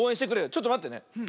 ちょっとまってね。